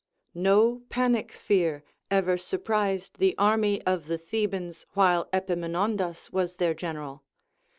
No panic fear ever surprised the army of the Thebans while Epaminondas was their general.